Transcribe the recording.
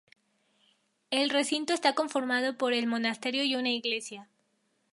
El recinto está formado por el monasterio y una iglesia.